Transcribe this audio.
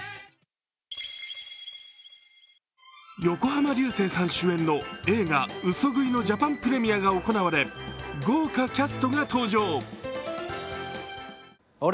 横浜流星さん主演の映画「嘘喰い」のジャパンプレミアが行われ豪華キャストが登場。